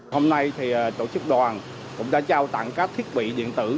hôm nay tổ chức đoàn cũng đã trao tặng các thiết bị điện tử